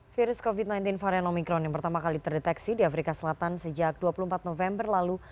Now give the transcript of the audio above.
virus covid sembilan belas varian omikron yang pertama kali terdeteksi di afrika selatan sejak dua puluh empat november lalu